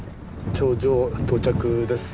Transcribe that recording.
頂上到着です。